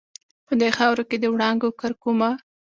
په دې خاورو کې د وړانګو کرکومه